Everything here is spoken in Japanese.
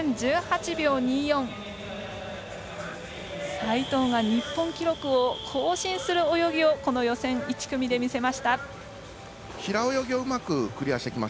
齋藤が日本記録を更新する泳ぎをこの予選１組で見せました。